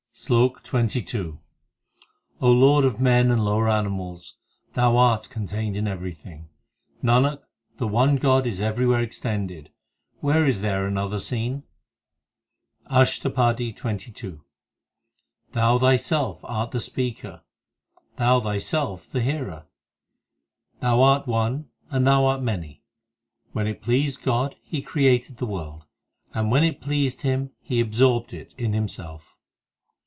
SLOK XXII O Lord of men and lower animals, Thou art contained in everything ; Nanak, the one God is everywhere extended ; where is there another seen ? ASHTAPADI XXII i Thou Thyself art the speaker, Thou Thyself the hearer ; Thou art one, and Thou art many. When it pleased God, He created the world ; And when it pleased Him, He absorbed it in Himself.